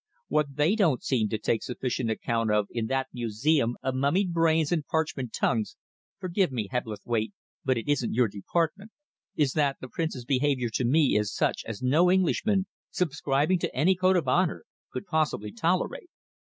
What they don't seem to take sufficient account of in that museum of mummied brains and parchment tongues forgive me, Hebblethwaite, but it isn't your department is that the Prince's behaviour to me is such as no Englishman, subscribing to any code of honour, could possibly tolerate.